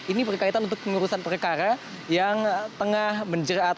ini berkaitan untuk pengurusan perkara yang tengah menjerat